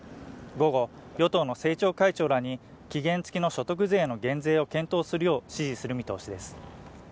午後、与党の政調会長らに期限付きの所得税の減税を検討するよう指示する見通しです